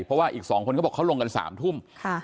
เพราะว่าอีก๒คนเขาบอกเขาลงกัน๓ทุ่ม